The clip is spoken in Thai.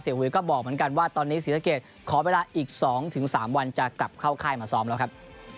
หุยก็บอกเหมือนกันว่าตอนนี้ศรีสะเกดขอเวลาอีก๒๓วันจะกลับเข้าค่ายมาซ้อมแล้วครับ